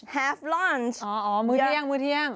แฮฟลันช์มื้อเที่ยง